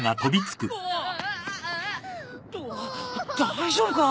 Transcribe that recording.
大丈夫か？